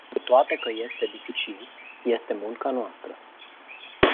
Cu toate că este dificil, este munca noastră.